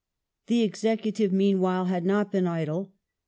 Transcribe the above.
The executive, meanwhile, had not been idle.